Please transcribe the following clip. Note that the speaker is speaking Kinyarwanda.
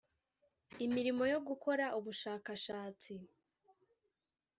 imirimo yo gukora ubushakashatsi